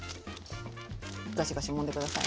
ガシガシもんで下さいね。